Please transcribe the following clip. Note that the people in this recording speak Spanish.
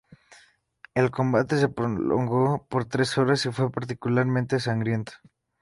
El combate se prolongó por tres horas y fue particularmente sangriento.